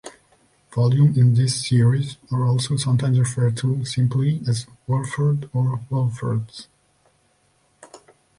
Volumes in this series are also sometimes referred to simply as Walford or Walford's.